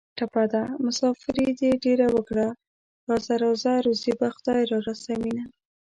ټپه ده: مسافري دې ډېره وکړه راځه راځه روزي به خدای را رسوینه